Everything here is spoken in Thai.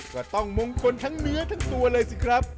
ก็ต้องมงคลทั้งเนื้อทั้งตัวเลยสิครับ